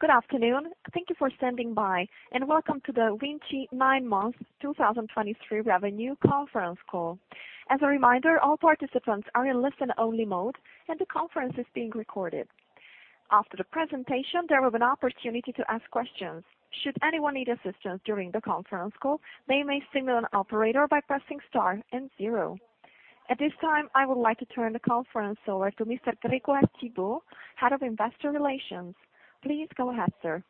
Good afternoon. Thank you for standing by, and welcome to the VINCI nine-month 2023 revenue conference call. As a reminder, all participants are in listen-only mode, and the conference is being recorded. After the presentation, there will be an opportunity to ask questions. Should anyone need assistance during the conference call, they may signal an operator by pressing star and zero. At this time, I would like to turn the conference over to Mr. Grégoire Thibault, Head of Investor Relations. Please go ahead, sir.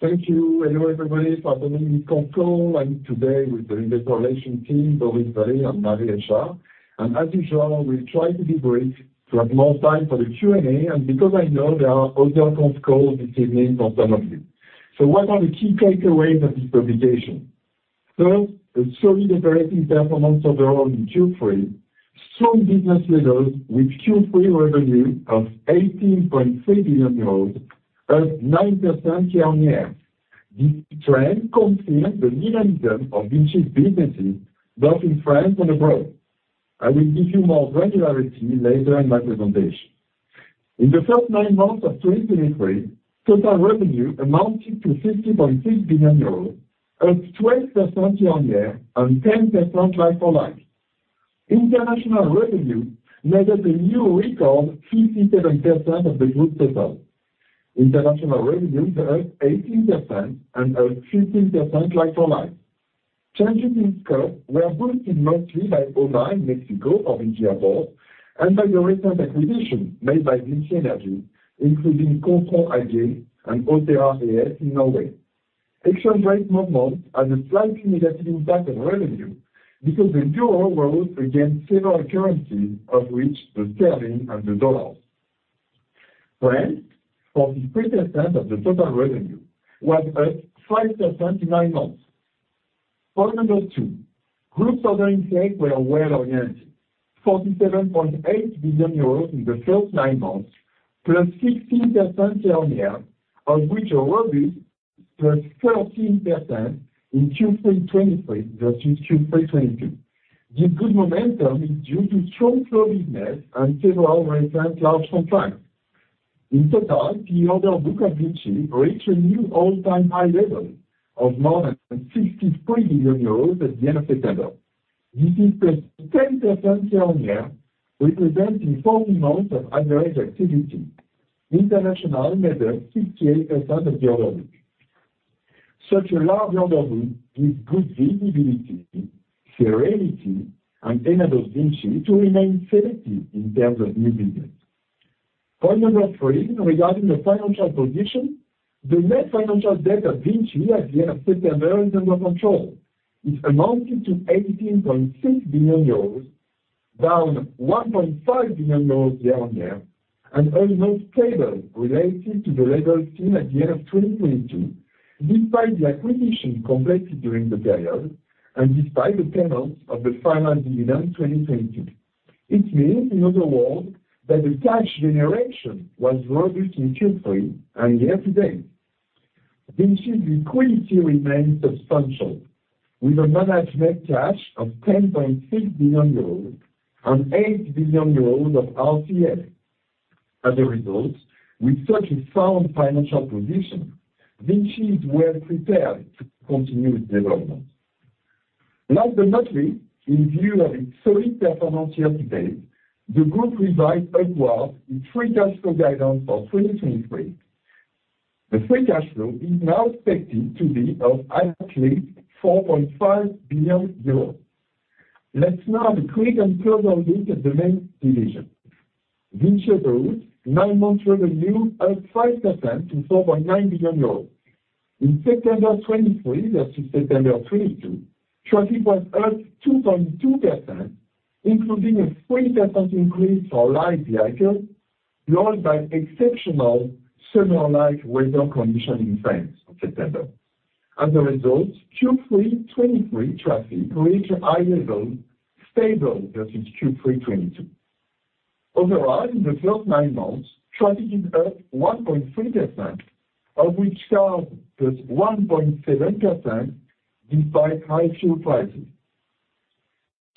Thank you. Hello, everybody, for joining the call. I'm today with the Investor Relations team, Boris Vallée and Marie Richard. And as usual, we try to be brief to have more time for the Q&A, and because I know there are other calls this evening for some of you. So what are the key takeaways of this presentation? First, the solid operating performance overall in Q3, strong business leaders with Q3 revenue of 18.3 billion euros, up 9% year-on-year. This trend confirms the momentum of VINCI's businesses, both in France and abroad. I will give you more granularity later in my presentation. In the first nine months of 2023, total revenue amounted to 50.6 billion euros, up 12% year-on-year, and 10% like-for-like. International revenue made up a new record, 57% of the group total. International revenue is up 18% and up 15% like-for-like. Changes in scope were boosted mostly by OMA, Mexico, of Cabo Verde, and by the recent acquisition made by VINCI Energies, including [Control ID] and Otera AS in Norway. Exchange rate movement had a slightly negative impact on revenue, because the euro rose against several currencies, of which the sterling and the US dollar. France, 43% of the total revenue, was up 5% in nine months. Point number two, group order intake were well oriented, 47.8 billion euros in the first nine months, plus 16% year-over-year, of which were robust, plus 13% in Q3 2023 versus Q3 2022. This good momentum is due to strong flow business and several recent large contracts. In total, the order book of VINCI reached a new all-time high level of more than 63 billion euros at the end of September. This is +10% year-on-year, representing four months of average activity. International made up 58% of the order book. Such a large order book gives good visibility, serenity, and enables VINCI to remain selective in terms of new business. Point number three, regarding the financial position, the net financial debt of VINCI at the end of September is under control. It amounted to 18.6 billion euros, down 1.5 billion euros year-on-year, and almost stable related to the level seen at the end of 2022, despite the acquisition completed during the period and despite the payment of the final dividend in 2022. It means, in other words, that the cash generation was robust in Q3 and year-to-date. VINCI's liquidity remains substantial, with a managed net cash of 10.6 billion euros and 8 billion euros of RCF. As a result, with such a sound financial position, VINCI is well prepared to continue its development. Last but not least, in view of its solid performance year-to-date, the group revised upward its free cash flow guidance for 2023. The free cash flow is now expected to be of at least 4.5 billion euros. Let's now have a quick and closer look at the main division. VINCI Autoroutes, nine months revenue up 5% to 4.9 billion euros. In September 2023 versus September 2022, traffic was up 2.2%, including a 3% increase for light vehicles, lowered by exceptional summer-like weather condition in France in September. As a result, Q3 2023 traffic reached a high level, stable versus Q3 2022. Overall, in the first nine months, traffic is up 1.3%, of which cars, plus 1.7%, despite high fuel prices.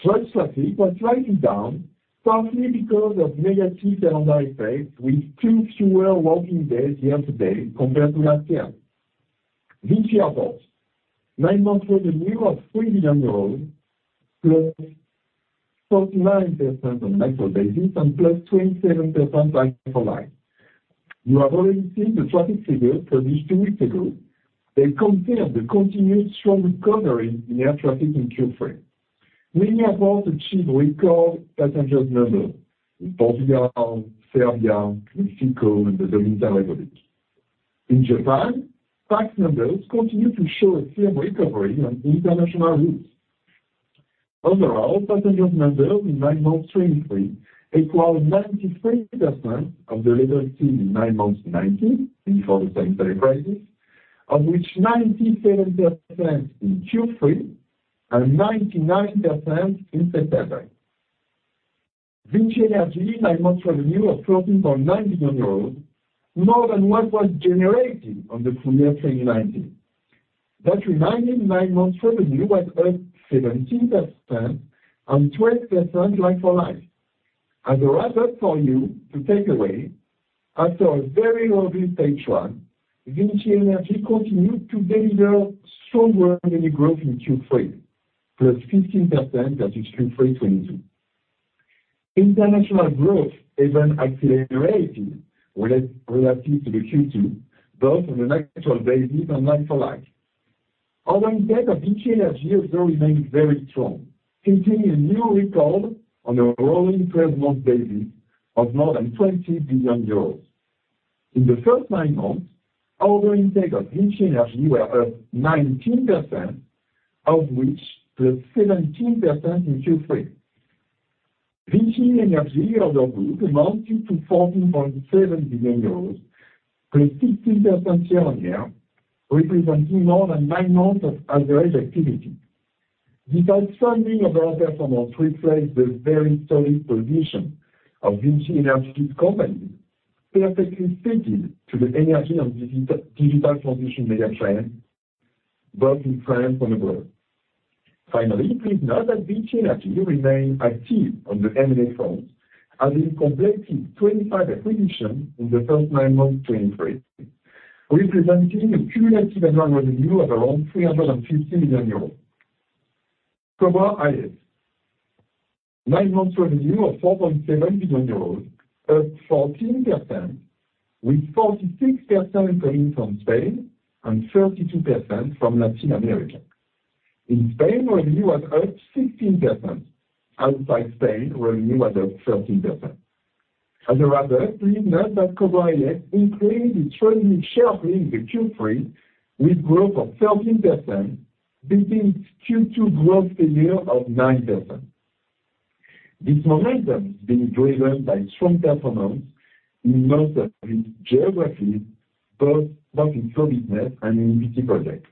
Truck traffic was slightly down, partly because of negative calendar effect, with two fewer working days year-to-date compared to last year. VINCI Airports, nine months revenue of EUR 3 billion, plus 49% on like-for-basis and plus 27% like-for-like. You have already seen the traffic figures produced two weeks ago. They confirm the continued strong recovery in air traffic in Q3. Many airports achieved record passengers number, in Portugal, Serbia, Mexico, and the Dominican Republic. In Japan, pax numbers continue to show a firm recovery on international routes. Overall, passenger numbers in nine months 2023 equals 93% of the level seen in nine months 2019, before the sanitary crisis, of which 97% in Q3 and 99% in September. VINCI Energies, nine months revenue of 13.9 billion euros, more than what was generated on the full year 2019. That reminded nine months revenue was up 17% and 12% like-for-like. As a wrap up for you to take away, after a very obvious page one, VINCI Energies continued to deliver stronger organic growth in Q3, +15% that is Q3 2022. International growth even accelerated relative to the Q2, both on an actual basis and like-for-like. Order intake of VINCI Energies also remains very strong, hitting a new record on a rolling twelve-month basis of more than 20 billion euros. In the first nine months, order intake of VINCI Energies were up 19%, of which +17% in Q3. VINCI Energies, as a group, amounted to EUR 14.7 billion, +16% year-on-year, representing more than nine months of average activity. This outstanding overall performance reflects the very solid position of VINCI Energies' company, perfectly suited to the energy and digital transition mega trend, both in France and abroad. Finally, please note that VINCI Energies remains active on the M&A front, having completed 25 acquisitions in the first nine months of 2023, representing a cumulative annual revenue of around 350 million euros. Cobra IS, nine months revenue of 4.7 billion euros, up 14%, with 46% coming from Spain and 32% from Latin America. In Spain, revenue was up 16%. Outside Spain, revenue was up 13%. As a wrap up, please note that Cobra IS increased its revenue sharply in the Q3, with growth of 13%, beating its Q2 growth figure of 9%. This momentum is being driven by strong performance in most of its geographies, both in core business and in EPC projects.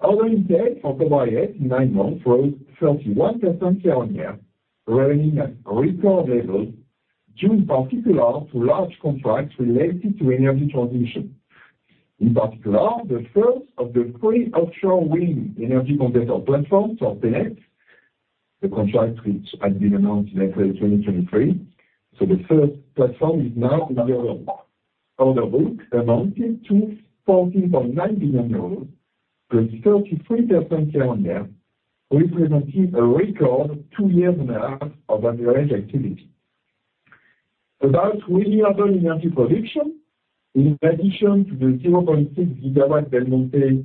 Order intake for Cobra IS in nine months rose 31% year-on-year, running at record levels, due in particular to large contracts related to energy transition. In particular, the first of the three offshore wind energy converter platforms of TenneT, the contract which had been announced in April 2023. So the first platform is now under way. Order book amounted to EUR 14.9 billion, +33% year-on-year, representing a record two years and a half of average activity. About renewable energy production, in addition to the 0.6 gigawatts Belmonte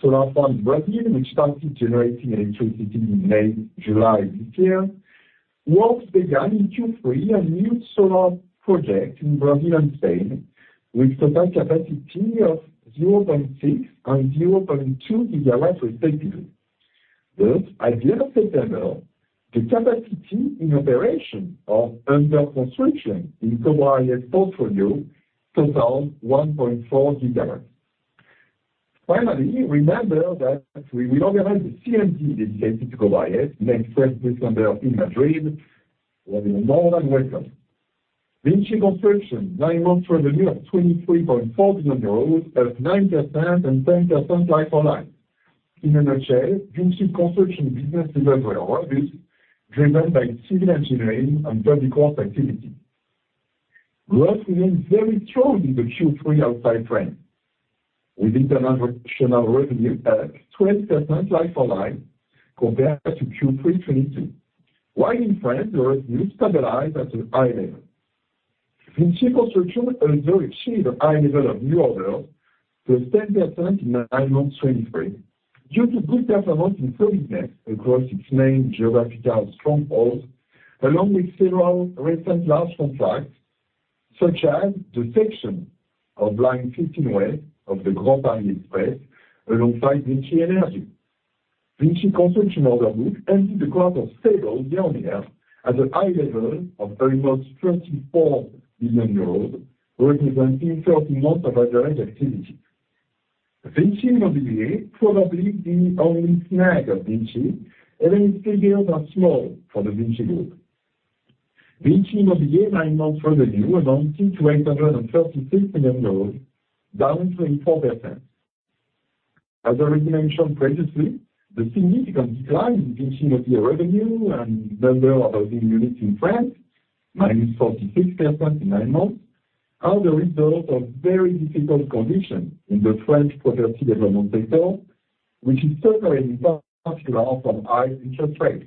solar farm in Brazil, which started generating electricity in May-July this year, work began in Q3 on a new solar project in Brazil and Spain, with total capacity of 0.6 and 0.2 gigawatts respectively. Thus, at year-to-date level, the capacity in operation or under construction in Cobra IS portfolio totals 1.4 gigawatts. Finally, remember that we will organize a CMD dedicated to Cobra IS next first December in Madrid. You are more than welcome. VINCI Construction, nine months revenue of 23.4 billion euros, up 9% and 10% like-for-like. In a nutshell, VINCI Construction business developed very well, driven by civil engineering and building works activity. Growth remains very strong in the Q3 outside France, with international revenue at 12% like-for-like compared to Q3 2022, while in France, the revenue stabilized at a high level. VINCI Construction also achieved a high level of new orders, +10% in nine months 2023, due to good performance in public works across its main geographical strongholds, along with several recent large contracts, such as the section of Line 15 West of the Grand Paris Express, alongside VINCI Energies. VINCI Construction order book ended the quarter stable year-on-year at a high level of almost 24 billion euros, representing 30 months of average activity. VINCI Immobilier, probably the only snag of VINCI, even if figures are small for the VINCI Group. VINCI Immobilier nine months revenue amounted to EUR 836 million, down 24%. As already mentioned previously, the significant decline in VINCI Immobilier revenue and number of units in France, -46% in 9 months, are the result of very difficult conditions in the French property development sector, which is suffering in particular from high interest rates.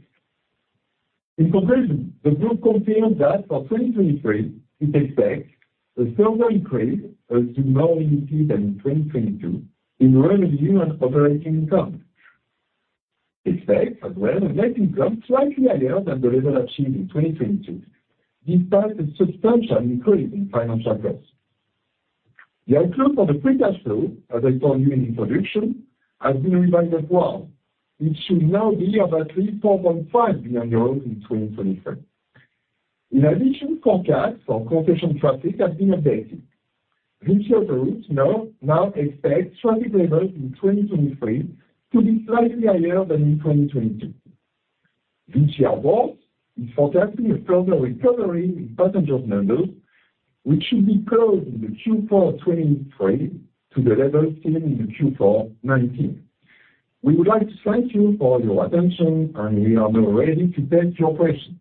In conclusion, the group confirms that for 2023, it expects a further increase as to more than in 2022 in revenue and operating income. Expect as well, a net income slightly higher than the level achieved in 2022, despite a substantial increase in financial costs. The outlook for the free cash flow, as I told you in introduction, has been revised as well, it should now be of at least 4.5 billion in 2023. In addition, forecast for concession traffic has been updated. VINCI Autoroutes now expects traffic levels in 2023 to be slightly higher than in 2022. VINCI Airports is forecasting a further recovery in passenger numbers, which should be close in the Q4 2023 to the level seen in Q4 2019. We would like to thank you for your attention, and we are now ready to take your questions.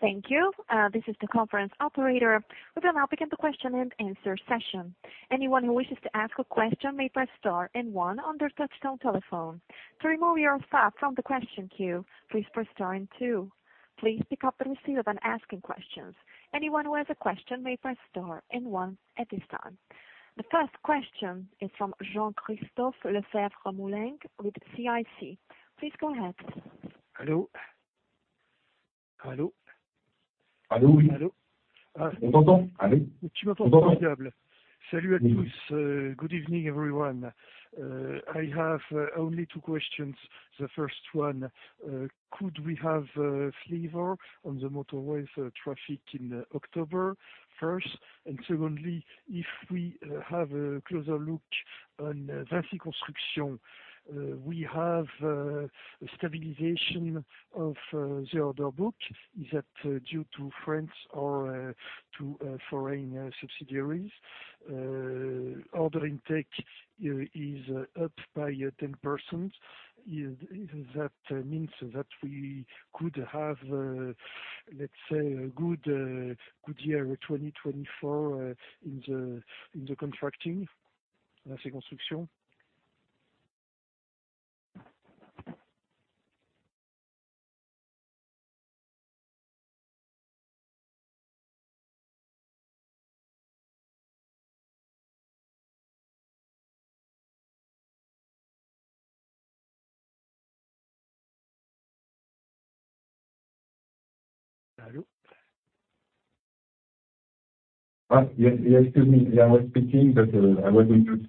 Thank you. This is the conference operator. We'll now begin the question and answer session. Anyone who wishes to ask a question may press star and one on their touchtone telephone. To remove yourself from the question queue, please press star and two. Please pick up the receiver when asking questions. Anyone who has a question may press star and one at this time. The first question is from Jean-Christophe Lefèvre-Moulenq with CIC. Please go ahead. Hello? Hello. Hello. Hello. Good evening, everyone. I have only two questions. The first one, could we have flavor on the motorway traffic in October first? And secondly, if we have a closer look on VINCI Construction, we have a stabilization of the order book. Is that due to France or to foreign subsidiaries? Order intake is up by 10%. Is that means that we could have, let's say, a good good year 2024 in the contracting, VINCI Construction? Excuse me. I was speaking, but I was going to.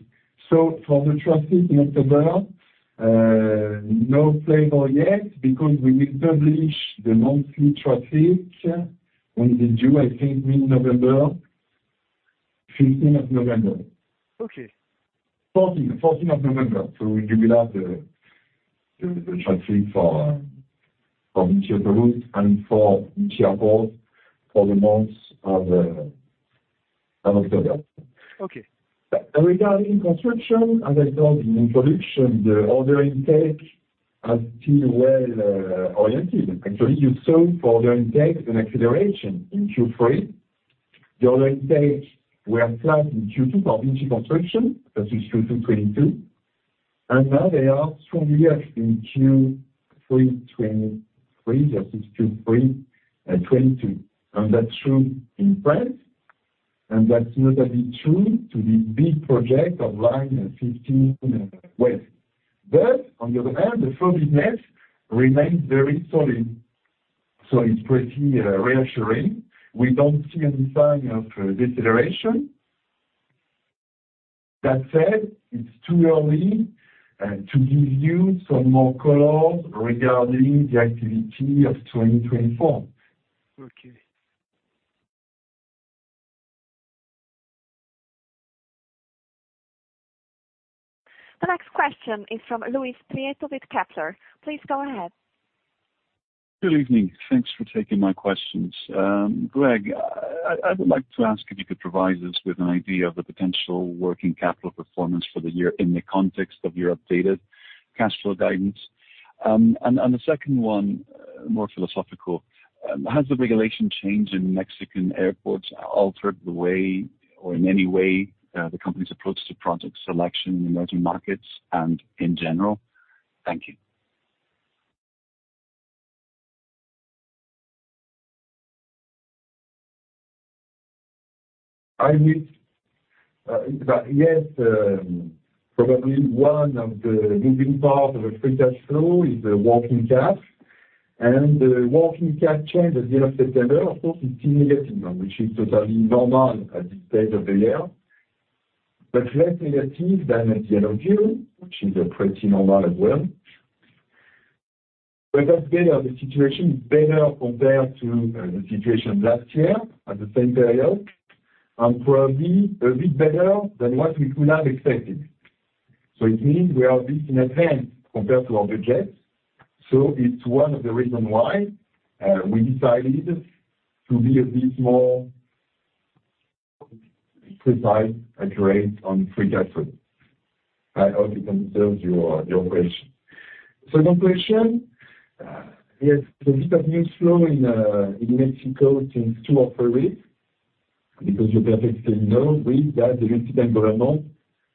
So for the traffic in October, no flavor yet because we will publish the monthly traffic. I think mid-November, fifteenth of November. Okay. Fourteenth of November. So we will have the traffic for from VINCI on the route and for VINCI Airports for the months of October. Okay. Regarding construction, as I said in introduction, the order intake has been well, actually, you saw for order intake an acceleration in Q3. The order intake were flat in Q2 for VINCI Construction, that is Q2 2022, and now they are strongly up in Q3 2023. That is Q3 and 2022, and that's true in France, and that's notably true to the big project of Line 15 West. On the other hand, the profit net remains very solid, so it's pretty, reassuring. We don't see any sign of deceleration. That said, it's too early to give you some more color regarding the activity of 2024. Okay. The next question is from Luis Prieto with Kepler. Please go ahead. Good evening. Thanks for taking my questions. Greg, I would like to ask if you could provide us with an idea of the potential working capital performance for the year in the context of your updated cash flow guidance. The second one, more philosophical, has the regulation change in Mexican airports altered the way or in any way the company's approach to project selection in emerging markets and in general? Thank you. I will, yes, probably one of the moving parts of the free cash flow is the working cash. The working cash change at the end of September, of course, is still negative, which is totally normal at this stage of the year, but less negative than at the end of June, which is pretty normal as well. The situation is better compared to the situation last year at the same period, and probably a bit better than what we could have expected. It means we are a bit in advance compared to our budget, so it's one of the reasons why we decided to be a bit more precise and direct on free cash flow. I hope it answers your question. Second question, yes, the news flow in Mexico since two or three weeks, because you perfectly know we had a multi-government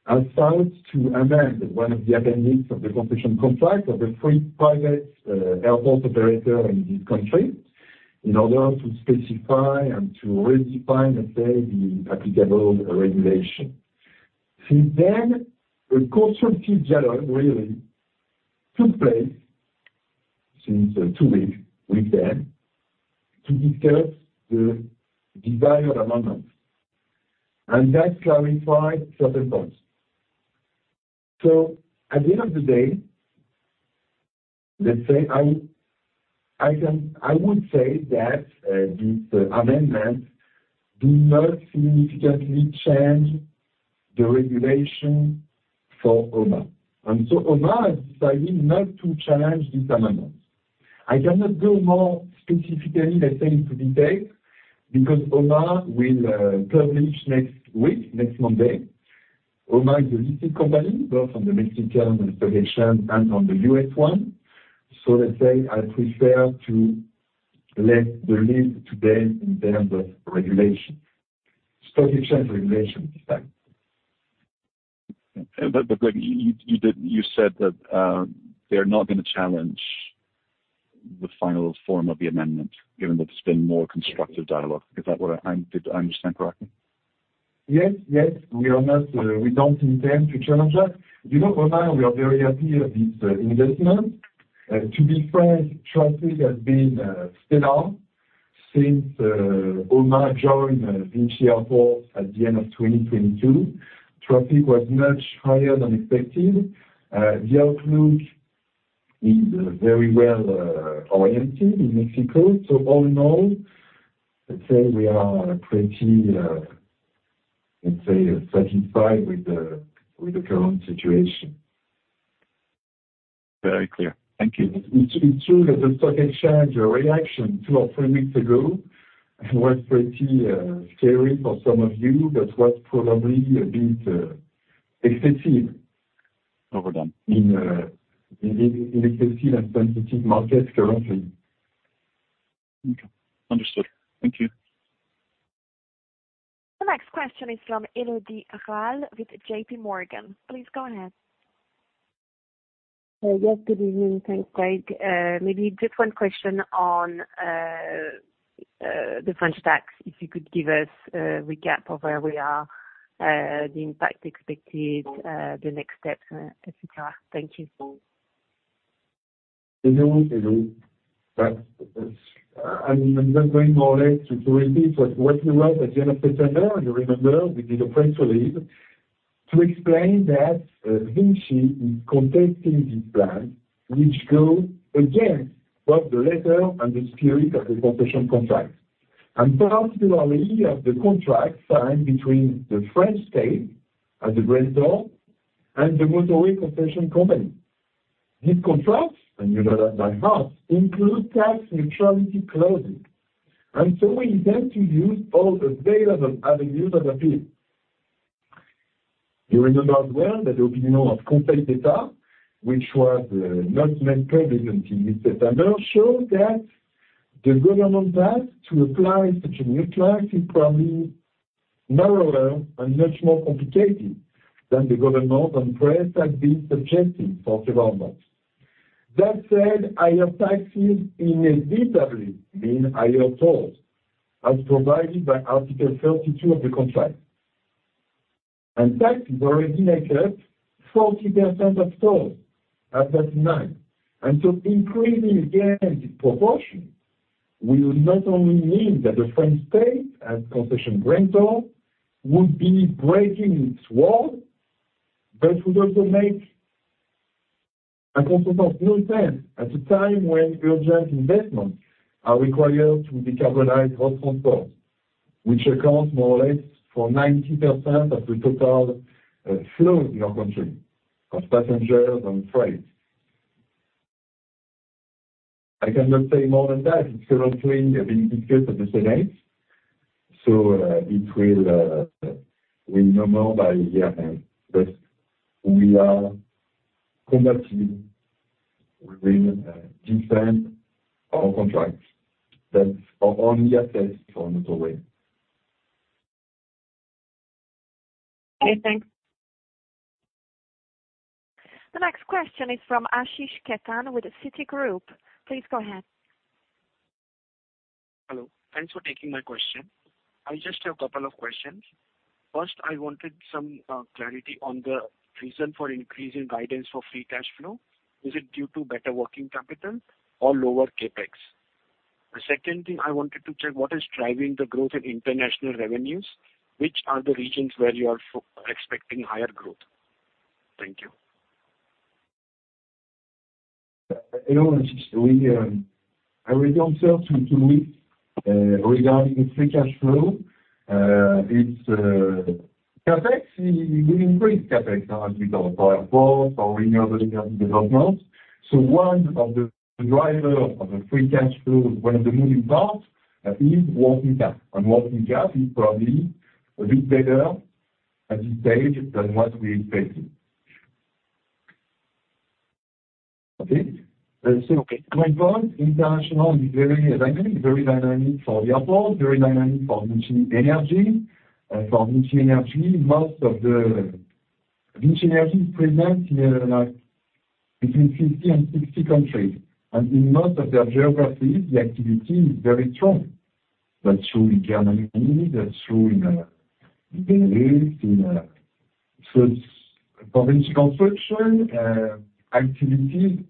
assigned to amend one of the attendees of the competition contract of the three private airport operator in this country, in order to specify and to redefine, let's say, the applicable regulation. Since then, a constructive dialog really took place since two weeks with them to discuss the desired amendment, and that clarified certain points. At the end of the day, let's say I can, I would say that these amendments do not significantly change the regulation for OMA. OMA is deciding not to challenge this amendment. I cannot go more specifically, let's say, into detail, because OMA will publish next week, next Monday. OMA is a listed company, both on the Mexican regulation and on the U.S. one. So let's say I prefer to let the lead today in terms of regulation, stock exchange regulation, this time. But you did, you said that they're not gonna challenge the final form of the amendment, given that there's been more constructive dialogue. Is that what I, did I understand correctly? Yes, yes, we are not, we don't intend to challenge that. You know, OMA, we are very happy with this investment. To be frank, traffic has been stellar since OMA joined VINCI Airports at the end of 2022. Traffic was much higher than expected. The outlook is very well oriented in Mexico. So all in all, let's say we are pretty, let's say, satisfied with the current situation. Very clear. Thank you. It's, it's true that the stock exchange reaction two or three weeks ago was pretty, scary for some of you, but was probably a bit, excessive. Overdone. In an excessive and sensitive market currently. Okay, understood. Thank you. The next question is from Elodie Rall with J.P. Morgan. Please go ahead. Yes, good evening. Thanks, Greg. Maybe just one question on the French tax, if you could give us a recap of where we are, the impact expected, the next steps, et cetera. Thank you. Hello, hello. I'm not going more or less to repeat what we wrote at the end of September, and you remember, we did a press release to explain that, VINCI is contesting this plan, which go against both the letter and the spirit of the concession contract, and particularly of the contract signed between the French state as the grantors and the motorway concession company. These contracts, and you know that by heart, include tax neutrality clauses, and so we intend to use all the available avenues of appeal. You remember well that the opinion of the Conseil d'État, which was not made public until this summer, showed that the government has to apply such a neutrality, probably narrower and much more complicated than the government and press has been suggesting for the government. That said, higher taxes inevitably mean higher tolls, as provided by Article 32 of the contract. Taxes already make up 40% of toll at best nine, and increasing again the proportion will not only mean that the French state, as concession grantor, would be breaking its word, but would also make a consequence no sense at a time when urgent investments are required to decarbonize road transport, which accounts more or less for 90% of the total flow in our country, of passengers and freight. I cannot say more than that. It's currently being discussed at the Senate, we will know more by year end. We are committed, we will defend our contracts. That's our only asset for motorway. Okay, thanks. The next question is from Sathish Sivakumar with Citigroup. Please go ahead. Hello. Thanks for taking my question. I just have a couple of questions. First, I wanted some clarity on the reason for increasing guidance for Free Cash Flow. Is it due to better working capital or lower CapEx? The second thing I wanted to check, what is driving the growth in international revenues? Which are the regions where you are expecting higher growth? Thank you. Hello, Sathish. We, I will answer to, to me, regarding the free cash flow. It's CapEx, we increase CapEx with our airports, our renewable energy development. So one of the driver of the free cash flow, one of the moving parts, is working cap. And working cap is probably a bit better at this stage than what we expected. Okay, going forward, international is very dynamic, very dynamic for the airport, very dynamic for VINCI Energy. For VINCI Energy, most of the VINCI Energy is present in, between 50 and 60 countries, and in most of their geographies, the activity is very strong. That's true in Germany, that's true in, in... So for VINCI Construction, activity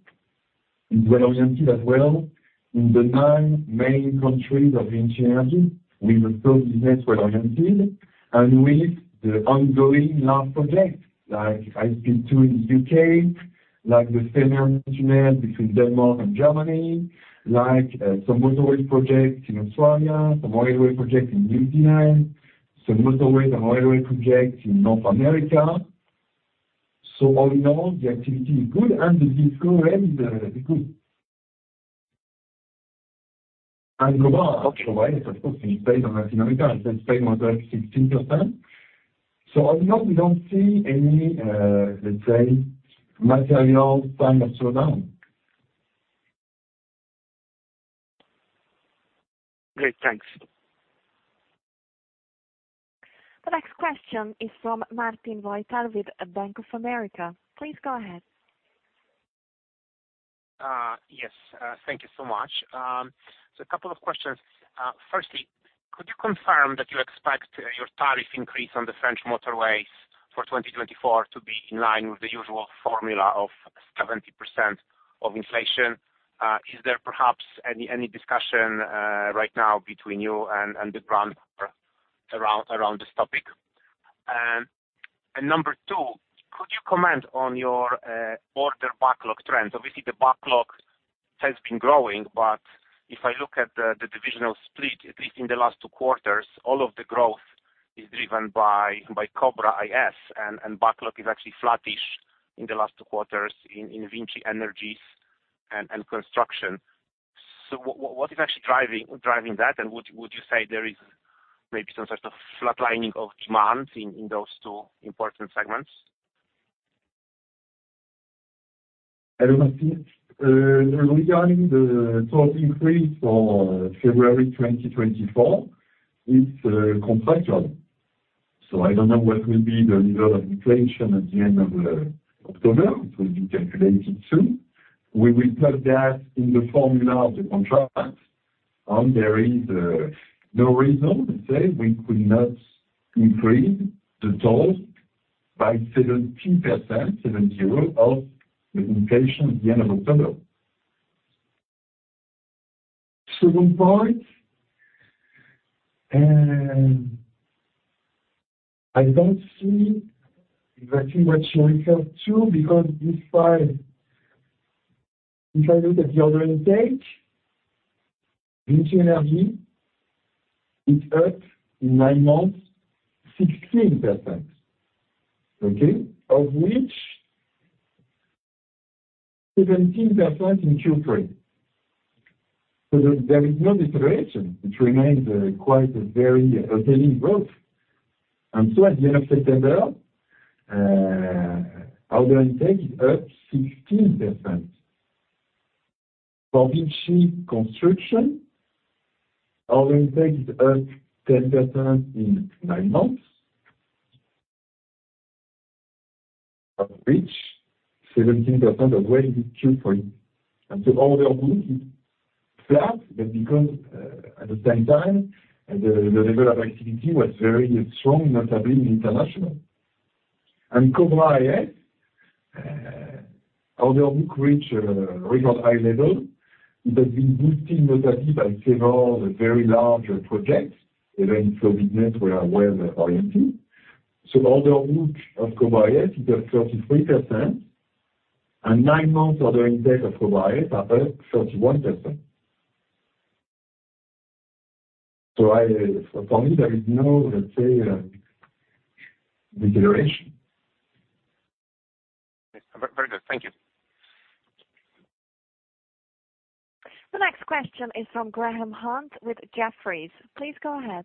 is well oriented as well. In the nine main countries of VINCI Energies, we will still be well oriented, and with the ongoing large projects, like I speak to in the U.K., like the [same internet] between Denmark and Germany, like some motorway projects in Australia, some railway projects in New Zealand, some motorway and railway projects in North America. All in all, the activity is good and the outlook is good. Cobra, otherwise, of course, is based on Latin America, and then pay more than 16%. All in all, we don't see any, let's say, material sign of slowdown. Great, thanks. The next question is from Marten Votteler with Bank of America. Please go ahead. Yes, thank you so much. A couple of questions. Firstly, could you confirm that you expect your tariff increase on the French motorways for 2024 to be in line with the usual formula of 70% of inflation? Is there perhaps any discussion right now between you and the brand around this topic? Number two, could you comment on your order backlog trends? Obviously, the backlog has been growing, but if I look at the divisional split, at least in the last two quarters, all of the growth is driven by Cobra IS, and backlog is actually flattish in the last two quarters in VINCI Energies and Construction. What is actually driving that? Would you say there is maybe some sort of flatlining of demand in those two important segments? Hello, Marcin. Regarding the total increase for February 2024, it's contractual. So I don't know what will be the level of inflation at the end of October. It will be calculated soon. We will put that in the formula of the contract, and there is no reason to say we could not increase the toll by 70%, 70, of the inflation at the end of October. Second point, and I don't see exactly what you refer to, because this slide, if I look at the order intake, VINCI Energies is up in 9 months, 16%, okay? Of which 17% in Q3. So there, there is no deterioration, which remains quite a very healthy growth. And so at the end of September, order intake is up 16%. For VINCI Construction, order intake is up 10% in nine months, of which 17% of revenue is Q3. So order book is flat, but because at the same time, the level of activity was very strong, notably international. Cobra IS order book reach a record high level, it has been boosted notably by several very large projects, even if the business were well oriented. So order book of Cobra IS is up 33%, and nine months order intake of Cobra IS are up 31%. So I, for me, there is no, let's say, deterioration. Very good. Thank you. The next question is from Graham Hunt with Jefferies. Please go ahead.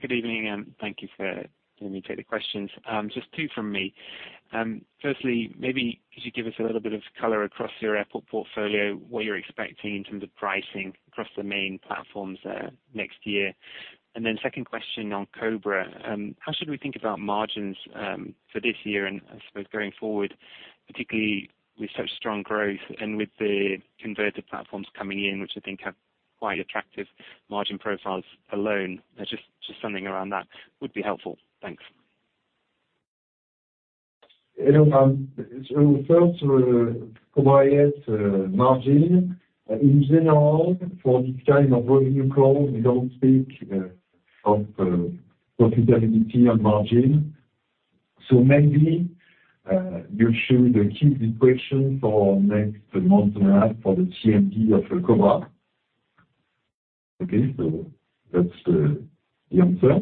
Good evening, and thank you for letting me take the questions. Just two from me. Firstly, maybe could you give us a little bit of color across your airport portfolio, what you're expecting in terms of pricing across the main platforms, next year? And then second question on Cobra, how should we think about margins, for this year and, I suppose, going forward, particularly with such strong growth and with the converter platforms coming in, which I think have quite attractive margin profiles alone? Just something around that would be helpful. Thanks. Hello, Graham. So first, Cobra IS, margin. In general, for this kind of revenue call, we don't speak of profitability and margin. So maybe, you should keep the question for next month and a half for the CMD of the Cobra. Okay, so that's the answer.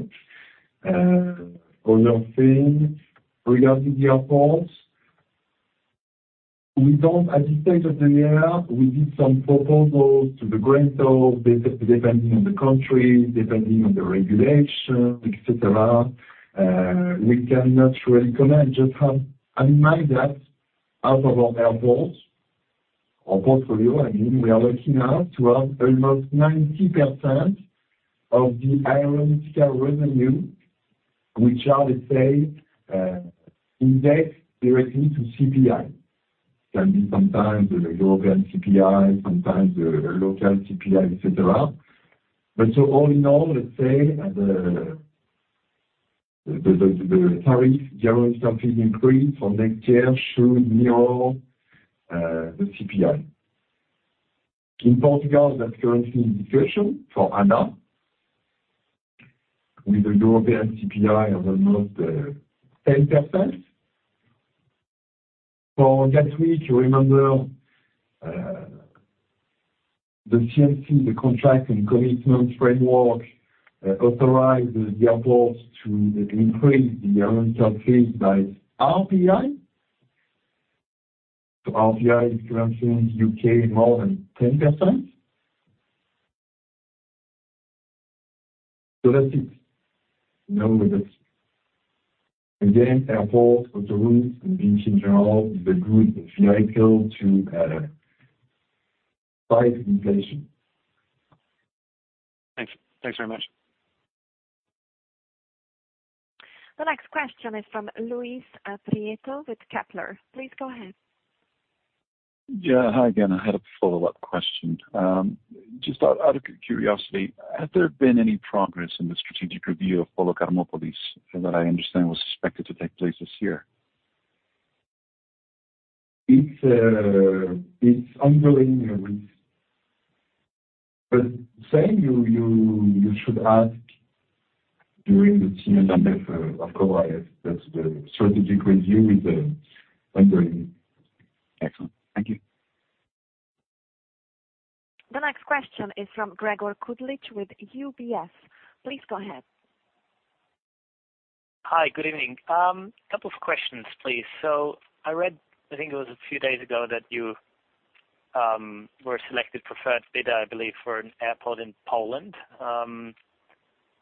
Other thing, regarding the airports, we don't at this stage of the year, we did some proposals to the grantors, depending on the country, depending on the regulation, et cetera, we cannot really comment. Just have in mind that out of our airports, our portfolio, I mean, we are looking now to have almost 90% of the aeronautical revenue, which are, let's say, indexed directly to CPI. Can be sometimes the European CPI, sometimes the local CPI, et cetera. But so all in all, let's say, at the-... The tariff guarantee increase from next year should mirror the CPI. In Portugal, that's currently in discussion for ANA, with the European CPI of almost 10%. For Gatwick, you remember the CCF, the contract and commitment framework authorized the airports to increase the aerodrome surface by RPI. So RPI is currently in the U.K. more than 10%. So that's it. You know, that's again, airport autoroutes, and VINCI in general, the good vehicle to fight inflation. Thanks. Thanks very much. The next question is from Luis Prieto with Kepler. Please go ahead. Yeah. Hi again. I had a follow-up question. Just out of curiosity, has there been any progress in the strategic review of Polo Carmópolis, that I understand was expected to take place this year? It's, it's ongoing, Luis. But say, you should ask during the CMD, of course, that's the strategic review is ongoing. Excellent. Thank you. The next question is from Gregor Kuglitsch with UBS. Please go ahead. Hi, good evening. Couple of questions, please. So I read, I think it was a few days ago, that you were selected preferred bidder, I believe, for an airport in Poland.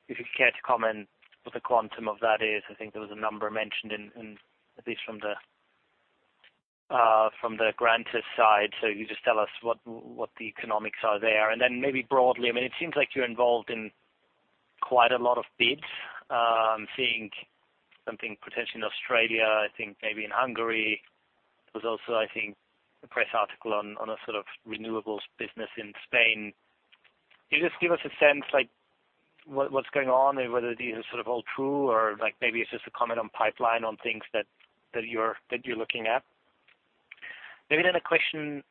If you care to comment what the quantum of that is, I think there was a number mentioned in, in at least from the grantor side. So you just tell us what the economics are there. And then maybe broadly, I mean, it seems like you're involved in quite a lot of bids. Seeing something potentially in Australia, I think maybe in Hungary. There was also, I think, a press article on a sort of renewables business in Spain. Can you just give us a sense, like, what, what's going on and whether these are sort of all true, or like maybe it's just a comment on pipeline on things that, that you're, that you're looking at? Maybe then a question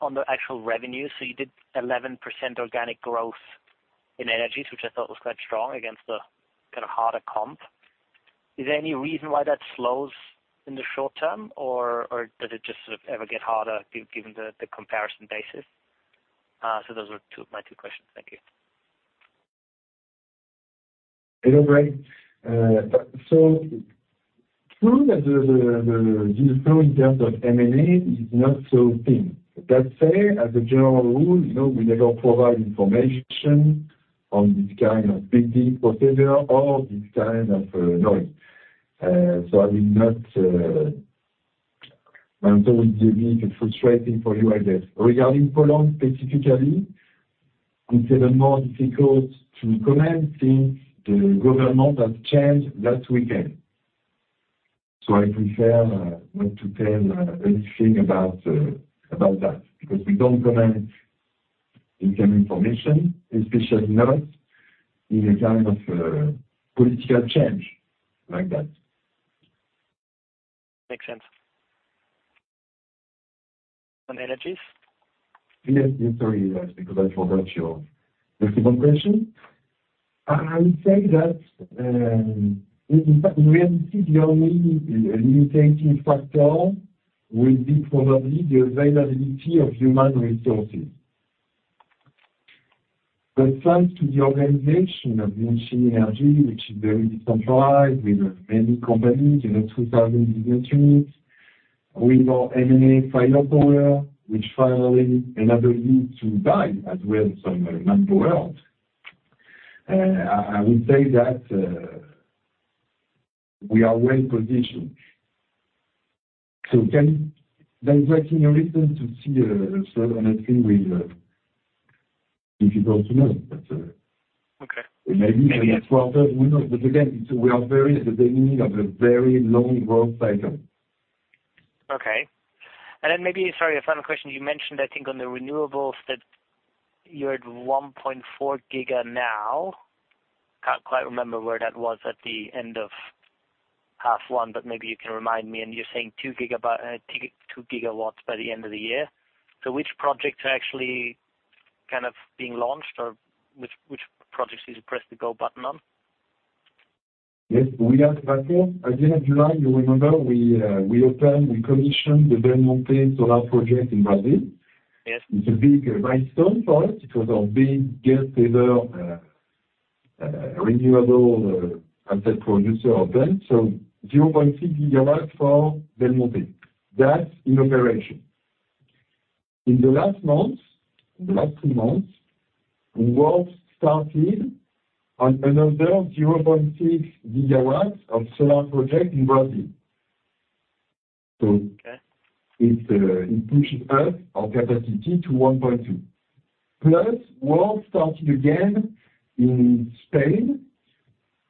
on the actual revenue. So you did 11% organic growth in energies, which I thought was quite strong against the kind of harder comp. Is there any reason why that slows in the short term, or, or does it just sort of ever get harder given the, the comparison basis? So those are two—my two questions. Thank you. Hello, Greg. So true that the flow in terms of M&A is not so thin. That said, as a general rule, you know, we never provide information on this kind of bidding procedure or this kind of noise. So I will not. I'm sorry, it will be a little frustrating for you, I guess. Regarding Poland, specifically, it's even more difficult to comment since the government has changed last weekend. So I prefer not to tell anything about that, because we don't comment in terms of information, especially not in a kind of political change like that. Makes sense. On energies? Yes, yes, sorry, because I forgot your second question. I would say that, in fact, we have seen the only limiting factor will be probably the availability of human resources. But thanks to the organization of VINCI Energies, which is very decentralized, with many companies, you know, 2,000 business units, with our M&A fire power, which finally enabled me to buy as well some [number world]. I would say that, we are well positioned. So can there be any reason to see a slow on energy with, difficult to know, but, Okay. Maybe in the process, we know. But again, we are very at the beginning of a very long growth cycle. Okay. And then maybe, sorry, a final question. You mentioned, I think, on the renewables, that you're at 1.4 GW now. Can't quite remember where that was at the end of half one, but maybe you can remind me, and you're saying 2 gigawatts by the end of the year. So which projects are actually kind of being launched, or which projects you press the go button on? Yes, we are back on. At the end of July, you remember, we, we opened, we commissioned the Belmonte solar project in Brazil. Yes. It's a big milestone for us because of being gas saver, renewable, asset producer of them. So 0.6 gigawatts for Belmonte. That's in operation. In the last month, the last two months, work started on another 0.6 gigawatts of solar project in Brazil. Okay. It pushes us, our capacity, to 1.2. Plus, work started again in Spain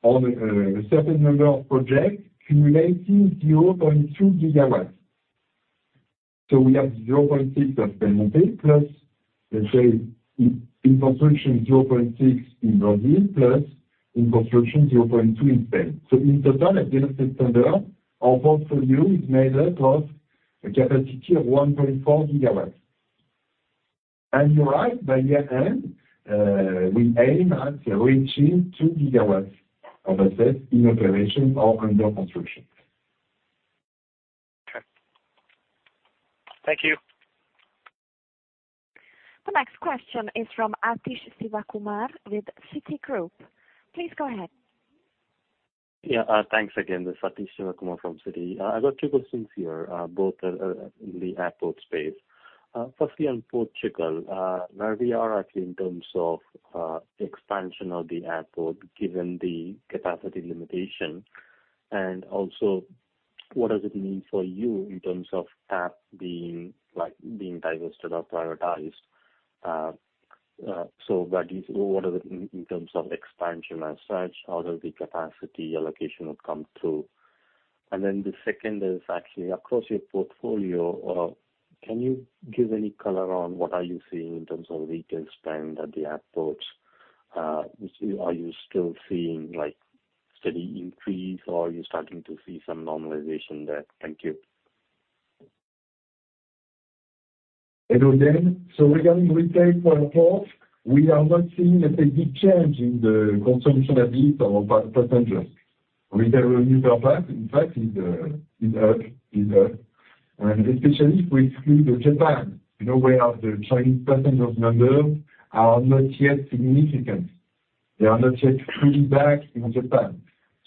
on a certain number of projects, cumulating 0.2 GW. We have 0.6 at Belmonte, plus, let's say, in construction 0.6 in Brazil, plus in construction 0.2 in Spain. In total, at the end of this calendar, our portfolio is made up of a capacity of 1.4 GW. You're right, by year-end, we aim at reaching 2 GW of assets in operation or under construction. Okay. Thank you. The next question is from Sathish Sivakumar with Citigroup. Please go ahead. Yeah, thanks again. This is Sathish Sivakumar from Citi. I got two questions here, both in the airport space. Firstly, on Portugal, where we are actually in terms of expansion of the airport, given the capacity limitation, and also what does it mean for you in terms of TAP being, like, being divested or privatized? So what is—what are the in, in terms of expansion as such, how does the capacity allocation will come through? And then the second is actually across your portfolio, can you give any color on what are you seeing in terms of retail spend at the airports? Are you still seeing, like, steady increase, or are you starting to see some normalization there? Thank you. Hello again. Regarding retail for airports, we are not seeing a big change in the consumption habits of our passengers. Retail revenue per pack, in fact, is up, is up, and especially if we include Japan, you know, where the Chinese passenger numbers are not yet significant. They are not yet coming back in Japan.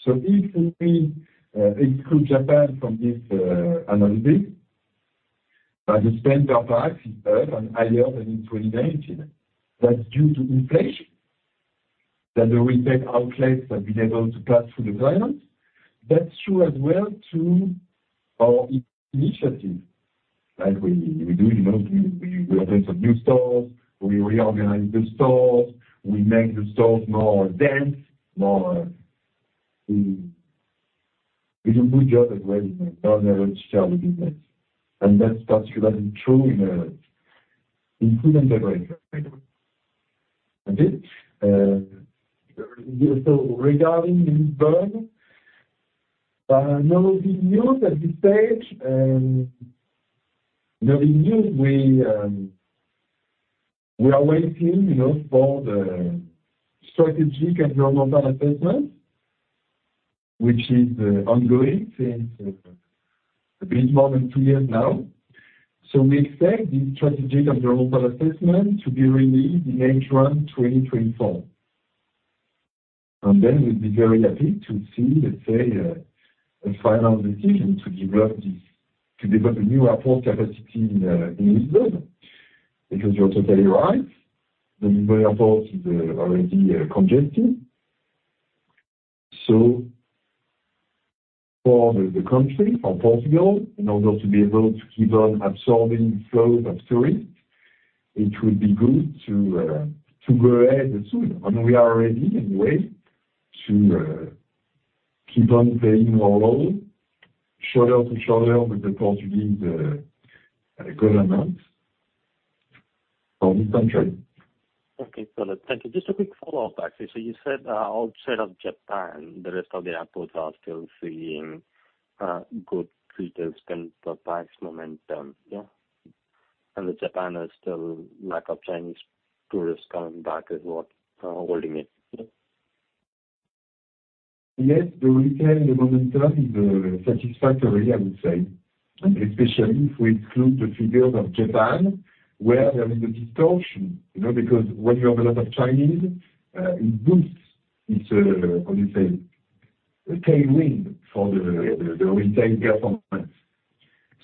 If we exclude Japan from this analysis, the spend per pack is up and higher than in 2019. That's due to inflation, that the retail outlets have been able to pass through the environment. That's true as well to our initiative, like we, you know, we open some new stores, we reorganize the stores, we make the stores more dense, we do a good job as well, you know, on average sales business. And that's particularly true in, in Lisbon and Madrid. And this, so regarding Lisbon, no big news at this stage, and no big news we, we are waiting, you know, for the strategic environmental assessment, which is, ongoing since, it's been more than two years now. So we expect the strategic environmental assessment to be released in H1 2024. And then we'll be very happy to see, let's say, a final decision to develop this, to develop a new airport capacity in, in Lisbon. Because you're totally right, the Lisbon airport is, already, congested. So for the country, for Portugal, in order to be able to keep on absorbing flows of tourists, it would be good to, to go ahead soon. We are ready, anyway, to keep on playing our role, shoulder to shoulder with the Portuguese government for this country. Okay, so thank you. Just a quick follow-up, actually. So you said, outside of Japan, the rest of the airports are still seeing, good retail spend per pack momentum, yeah? And the Japan is still lack of Chinese tourists coming back is what, holding it, yeah? Yes, the retail momentum is satisfactory, I would say, especially if we exclude the figures of Japan, where there is a distortion, you know, because when you have a lot of Chinese, it boosts, it's a... How do you say? A tailwind for the, the, the retail performance.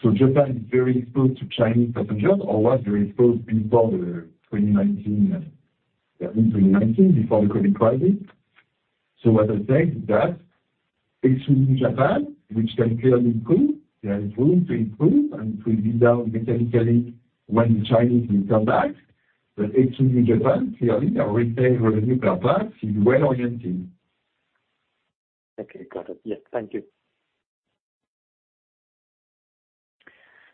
So Japan is very exposed to Chinese passengers, or was very exposed before the 2019, yeah, in 2019, before the Covid crisis. So what I say is that excluding Japan, which can clearly improve, there is room to improve, and it will be down mechanically when the Chinese will come back. But excluding Japan, clearly, our retail revenue per pack is well oriented. Okay, got it. Yes, thank you.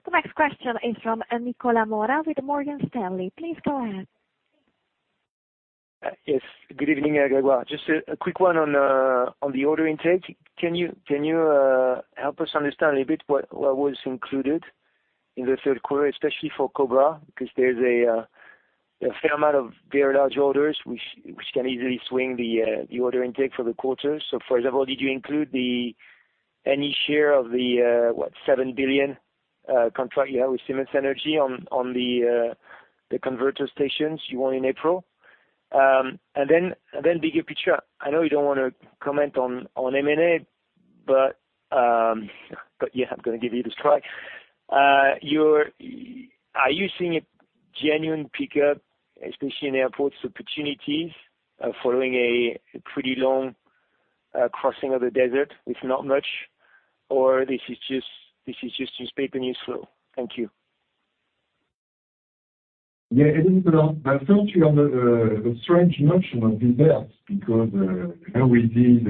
The next question is from Nicolas Mora with Morgan Stanley. Please go ahead. Yes, good evening, Grégoire. Just a quick one on the order intake. Can you help us understand a bit what was included in the third quarter, especially for Cobra? Because there's a fair amount of very large orders which can easily swing the order intake for the quarter. So for example, did you include any share of the 7 billion contract you have with Siemens Energy on the converter stations you won in April? And then bigger picture, I know you don't wanna comment on M&A, but yeah, I'm gonna give it a try. You're... Are you seeing a genuine pickup, especially in airports opportunities, following a pretty long crossing of the desert, with not much, or is this just newspaper news flow? Thank you. Yeah, it is, but I thought you have a strange notion of these deals, because, you know, we did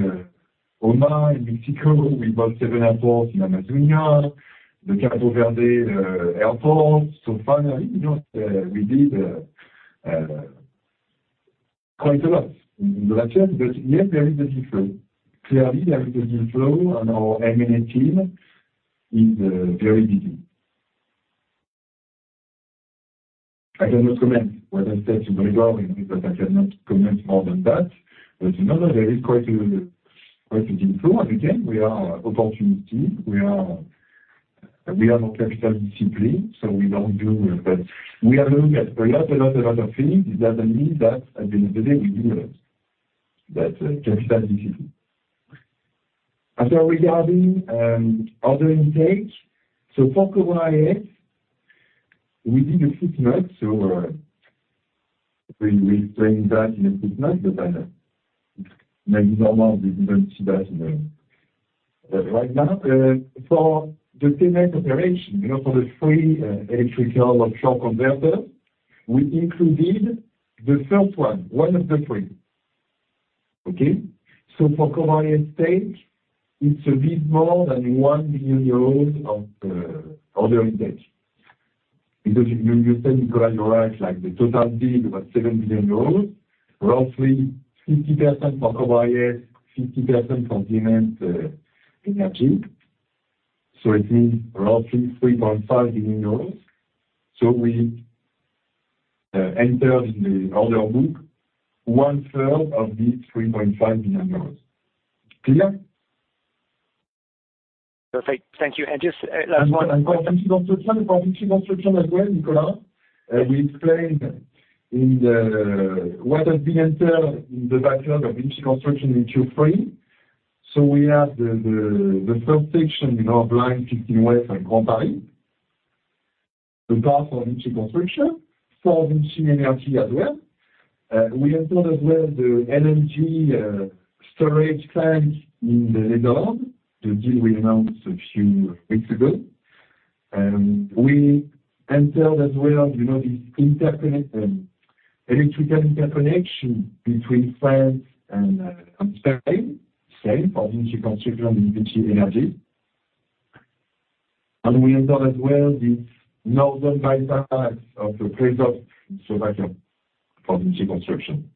OMA in Mexico, we bought seven airports in Amazonia, the Cabo Verde airport. So finally, you know, we did quite a lot in the last year. But yes, there is a deal flow. Clearly, there is a deal flow, and our M&A team is very busy. I cannot comment what I said to Gregor, but I cannot comment more than that. But, you know, there is quite a deal flow, and again, we are opportunity. We are, we are more capital discipline, so we don't do... But we are looking at a lot, a lot, a lot of things. It doesn't mean that at the end of the day, we do it. That's capital discipline. Regarding order intake, so for Cobra's, we did a statement, so we explained that in a statement, but then maybe normal, we didn't see that in the right now. For the Siemens operation, you know, for the three electrical offshore converter, we included the first one, one of the three, okay? So for Cobra's share, it's a bit more than 1 billion euros of order intake. Because you said you got it right, like the total deal was 7 billion euros, roughly 50% for Cobra's, 50% for Siemens Energy. So it means roughly 3.5 billion euros. So we entered in the order book one-third of these 3.5 billion euros. Clear? Perfect. Thank you. And just last one- And for VINCI Construction, for VINCI Construction as well, Nicola, we explained in the... What has been entered in the backlog of VINCI Construction in Q3. So we have the first section in our Line 15 West and Grand Paris. The part for VINCI Construction, for VINCI Energies as well. We have done as well the LNG storage plant in the Netherlands, the deal we announced a few weeks ago. We entered as well, you know, the interconnect, electrical interconnection between France and Spain, same for VINCI Construction and VINCI Energies. And we entered as well the northern bypass of Prešov for VINCI Construction.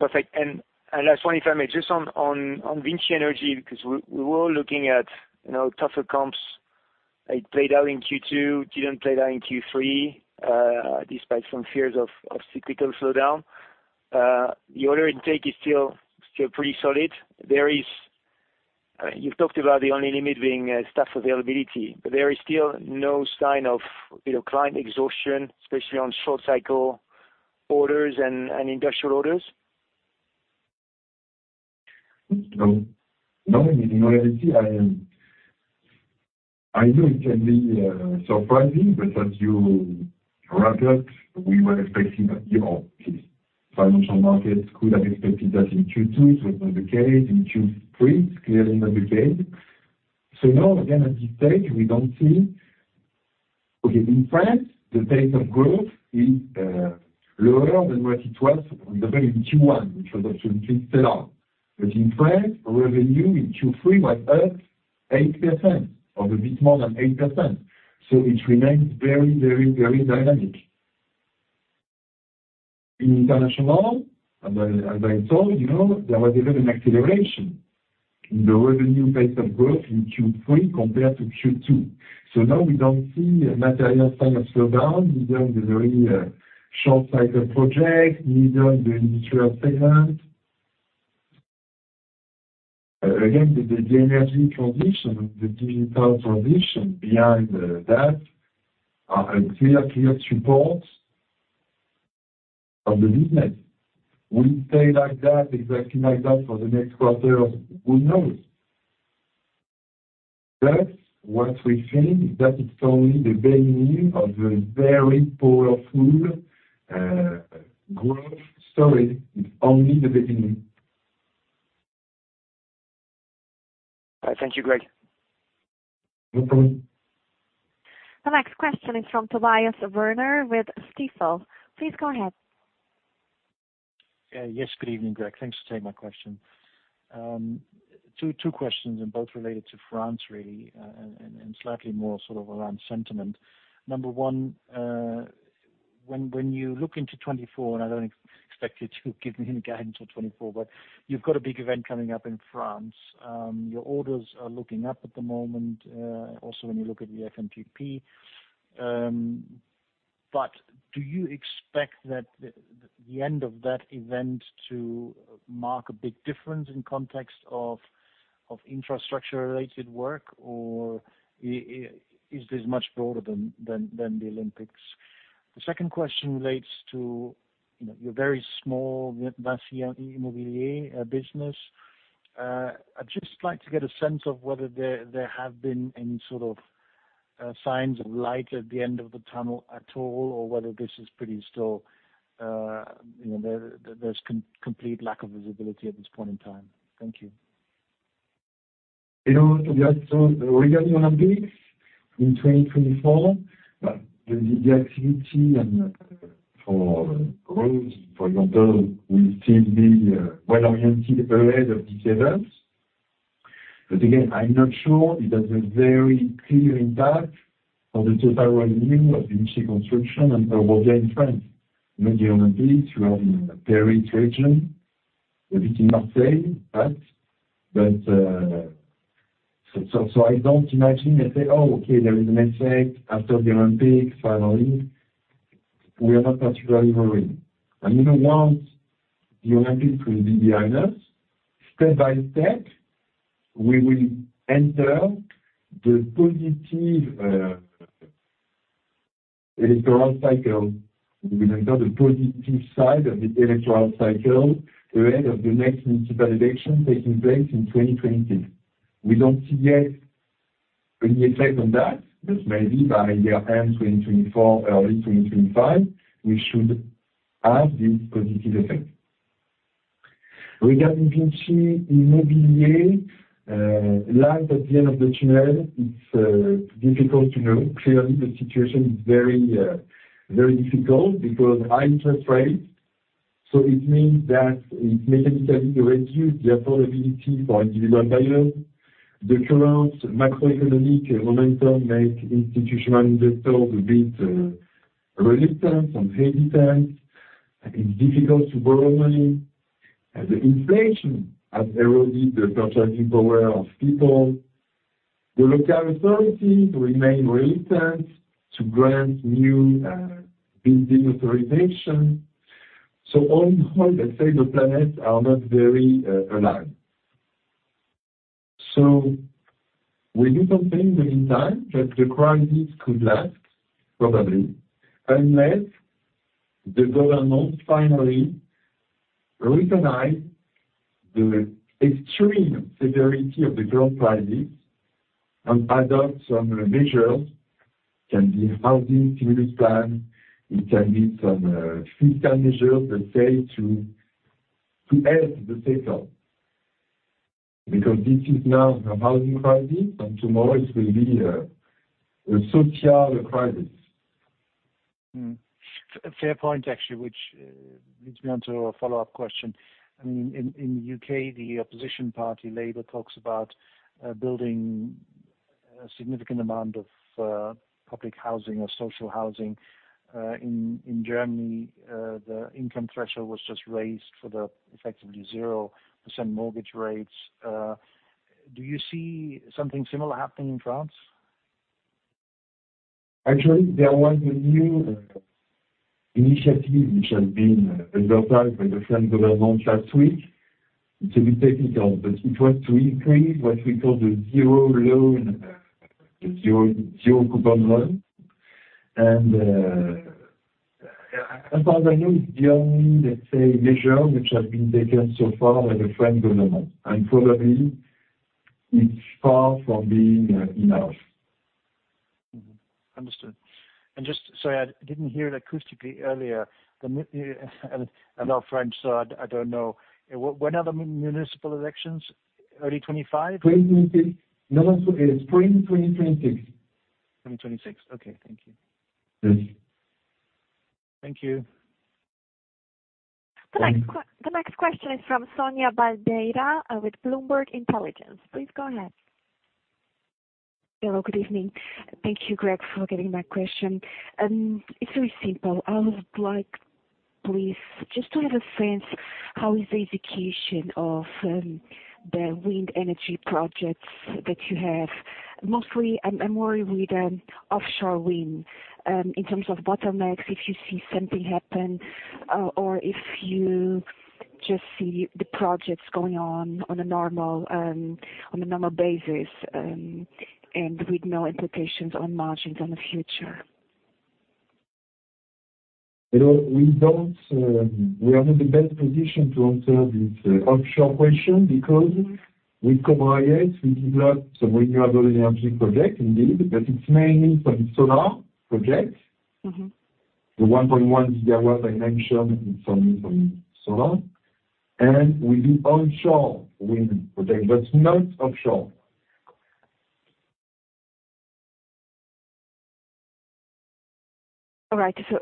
Perfect. And last one, if I may, just on VINCI Energies, because we were all looking at, you know, tougher comps. It played out in Q2, didn't play out in Q3, despite some fears of cyclical slowdown. The order intake is still pretty solid. There is, you've talked about the only limit being staff availability, but there is still no sign of, you know, client exhaustion, especially on short cycle orders and industrial orders? No. No, in reality, I am—I know it can be surprising, but as you recall, we were expecting that, you know, these financial markets could have expected that in Q2, it was not the case. In Q3, it's clearly not the case. So now, again, at this stage, we don't see... Okay, in France, the pace of growth is lower than what it was on the very Q1, which was absolutely stellar. But in France, our revenue in Q3 was up 8%, or a bit more than 8%, so it remains very, very, very dynamic. In international, and as I told you, there was even an acceleration in the revenue pace of growth in Q3 compared to Q2. So now we don't see a material sign of slowdown, neither in the very short cycle project, neither in the industrial segment. Again, the energy transition, the digital transition behind that are a clear support of the business. Will it stay like that, exactly like that for the next quarter? Who knows. But what we think is that it's only the beginning of a very powerful growth story. It's only the beginning. Thank you, Greg. Welcome. The next question is from Tobias Woerner with Stifel. Please go ahead. Yes, good evening, Greg. Thanks for taking my question. Two questions, and both related to France, really, and slightly more sort of around sentiment. Number one, when you look into 2024, and I don't expect you to give me any guidance on 2024, but you've got a big event coming up in France. Your orders are looking up at the moment, also, when you look at the FNTP. But do you expect that the end of that event to mark a big difference in context of infrastructure-related work, or is this much broader than the Olympics? The second question relates to, you know, your very small VINCI Immobilier business. I'd just like to get a sense of whether there have been any sort of signs of light at the end of the tunnel at all, or whether this is pretty still, you know, there's complete lack of visibility at this point in time. Thank you. You know, so we have so regarding Olympics in 2024, but the, the activity and for growth, for example, will still be, well oriented ahead of these events. But again, I'm not sure it has a very clear impact on the total revenue of VINCI Construction and our work there in France. You know, the Olympics, you are in Paris region, a bit in Marseille, but, but, so, so, so I don't imagine and say, "Oh, okay, there is an effect after the Olympics, finally." We are not particularly worried. And you know, once the Olympics will be behind us, step by step, we will enter the positive, electoral cycle. We will enter the positive side of the electoral cycle ahead of the next municipal election taking place in 2025. We don't see yet any effect on that, but maybe by year-end 2024, early 2025, we should have this positive effect. Regarding VINCI Immobilier, light at the end of the tunnel, it's difficult to know. Clearly, the situation is very, very difficult because high interest rates, so it means that it mechanically reduce the affordability for individual buyers. The current macroeconomic momentum make institutional investors a bit, resistant and hesitant, and it's difficult to borrow money, and the inflation has eroded the purchasing power of people. The local authorities remain resistant to grant new, building authorization. So overall, let's say, the planets are not very, aligned. So we do something in the meantime, but the crisis could last probably, unless the government finally recognize the extreme severity of the current crisis and adopt some measures, can be housing stimulus plan, it can be some, fiscal measures, let's say, to, to help the sector. Because this is now a housing crisis, and tomorrow it will be a social crisis. Mm-hmm. Fair point, actually, which leads me on to a follow-up question. I mean, in the UK, the opposition party, Labour, talks about building a significant amount of public housing or social housing. In Germany, the income threshold was just raised for the effectively 0% mortgage rates. Do you see something similar happening in France? Actually, there was a new initiative which has been adopted by the French government last week. It's a bit technical, but it was to increase what we call the zero loan, the zero, zero coupon loan. And, as far as I know, it's the only, let's say, measure which has been taken so far by the French government, and probably it's far from being enough. Mm-hmm. Understood. And just... Sorry, I didn't hear it acoustically earlier. I'm not French, so I, I don't know. When are the municipal elections? Early 2025? 2020... No, it's spring 2026. Spring 26. Okay, thank you. Yes. Thank you. The next question is from Sonia Baldeira with Bloomberg Intelligence. Please go ahead. Hello, good evening. Thank you, Greg, for getting my question. It's very simple. I would like, please, just to have a sense, how is the execution of the wind energy projects that you have? Mostly, I'm worried with offshore wind in terms of bottlenecks, if you see something happen, or if you just see the projects going on a normal basis, and with no implications on margins in the future. You know, we are not in the best position to answer this offshore question because with Cobra, yes, we developed some renewable energy project indeed, but it's mainly some solar projects. Mm-hmm. The 1.1 GW I mentioned, it's only from solar. We do onshore wind project, but not offshore. All right. So,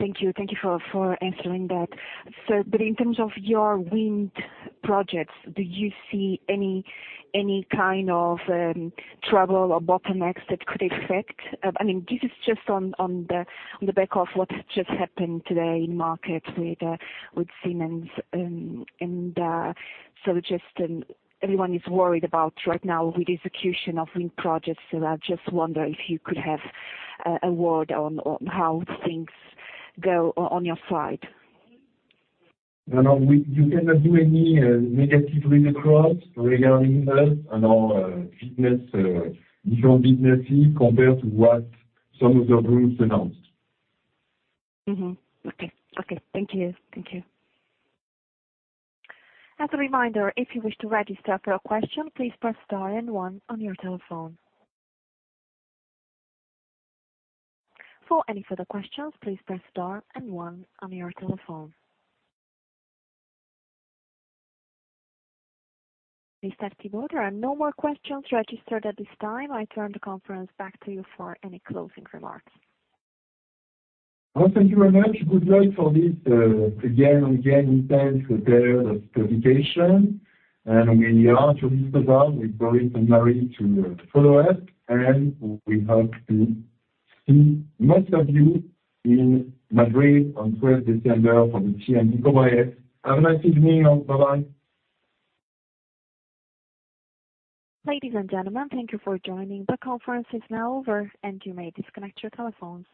thank you. Thank you for answering that. So, but in terms of your wind projects, do you see any kind of trouble or bottlenecks that could affect? I mean, this is just on the back of what just happened today in market with Siemens. And so just, everyone is worried about right now with execution of wind projects, so I just wonder if you could have a word on how things go on your side. No, no, you cannot do any negative read-across regarding us and our different businesses compared to what some of the groups announced. Mm-hmm. Okay. Okay, thank you. Thank you. As a reminder, if you wish to register for a question, please press star and one on your telephone. For any further questions, please press star and one on your telephone. Mr. Thibault, there are no more questions registered at this time. I turn the conference back to you for any closing remarks. Oh, thank you very much. Good luck for this, again and again, intense period of publication. We are here with Boris and Marie to follow us, and we hope to see most of you in Madrid on 12 December for the CMD. Have a nice evening, all. Bye-bye. Ladies and gentlemen, thank you for joining. The conference is now over, and you may disconnect your telephones.